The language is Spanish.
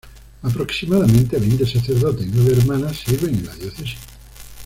Aproximadamente veinte sacerdotes y nueve hermanas sirven en la diócesis.